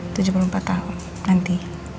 tujuh puluh empat tahun nanti